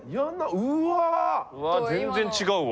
うわ全然違うわ。